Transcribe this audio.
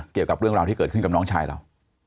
เกี่ยวกับเรื่องราวที่เกิดขึ้นกับน้องชายเรา